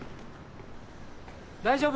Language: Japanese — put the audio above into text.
大丈夫？